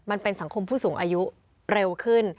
มันเป็นสังคมผู้สูงอายุเร็วขึ้น